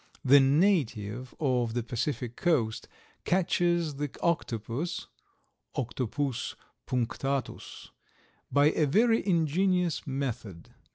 The native of the Pacific coast catches the Octopus (Octopus punctatus) by a very ingenious method.